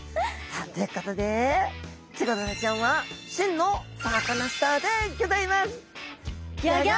ということでチゴダラちゃんは真のサカナスターでギョざいます。